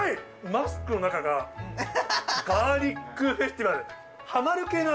マスクの中がガーリックフェスティバル。